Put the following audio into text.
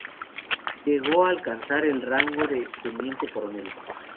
Llegó alcanzar el rango de teniente coronel.